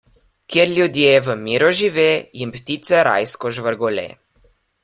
Kjer ljudje v miru žive, jim ptice rajsko žvrgole.